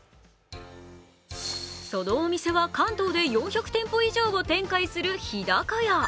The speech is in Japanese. そのお店は関東で４００店舗以上を展開する日高屋。